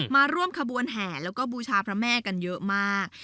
มาร่วมขบวนแห่แล้วก็บูชาพระแม่กันเยอะมาก